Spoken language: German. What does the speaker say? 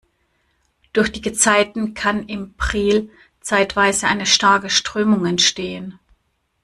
Durch die Gezeiten kann im Priel zeitweise eine starke Strömung entstehen.